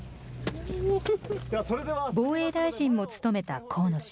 防衛大臣も務めた河野氏。